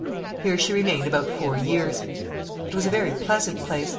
Here she remained about four years. It was a very pleasant place.